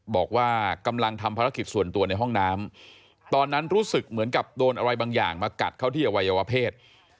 บอกว่ากำลังทำภารกิจส่วนตัวในห้องน้ำตอนนั้นรู้สึกเหมือนกับโดนอะไรบางอย่างมากัดเข้าที่อวัยวเพศ